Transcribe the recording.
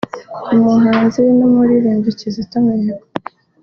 Ku Muhanzi n’umuririmbyi Kizito Mihigo